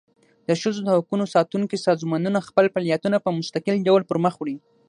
د ښځو د حقوقو ساتونکي سازمانونه خپل فعالیتونه په مستقل ډول پر مخ وړي.